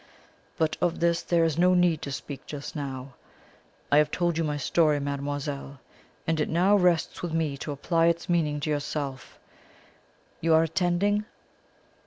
But of this there is no need to speak just now. I have told you my story, mademoiselle, and it now rests with me to apply its meaning to yourself. You are attending?"